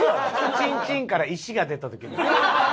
チンチンから石が出た時の顔。